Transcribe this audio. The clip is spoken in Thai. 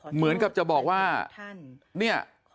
เหมือนกับจะบอกว่าเนี่ย